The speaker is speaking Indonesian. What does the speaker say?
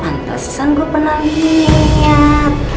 oh pantesan gue pernah liat